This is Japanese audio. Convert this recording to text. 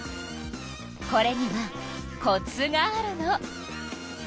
これにはコツがあるの。